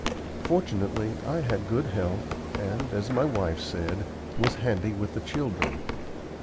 Fortunately I had good health, and, as my wife said, was "handy with children."